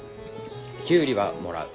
キュウリはもらう。